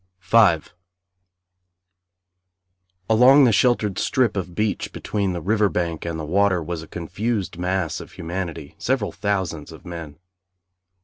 V Along the sheltered strip of beach between the river bank and the water was a confused mass of humanity several thousands of men.